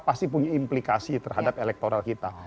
pasti punya implikasi terhadap elektoral kita